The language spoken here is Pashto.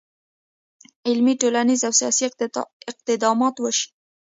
علمي، ټولنیز، او سیاسي اقدامات وشي.